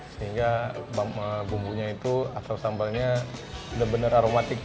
sehingga bumbunya itu atau sambalnya benar benar aromatik